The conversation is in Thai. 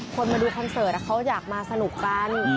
คนมาดูคอนเสิร์ตเขาอยากมาสนุกกัน